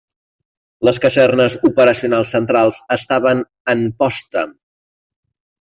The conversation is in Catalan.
Les casernes operacionals centrals estaven en Potsdam.